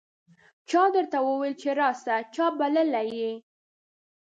چا درته وویل چې راسه ؟ چا بللی یې